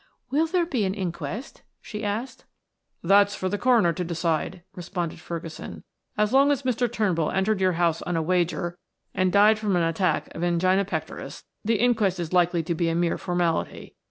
"Will there be an inquest?" she asked. "That's for the coroner to decide," responded Ferguson. "As long as Mr. Turnbull entered your house on a wager and died from an attack of angina pectoris the inquest is likely to be a mere formality.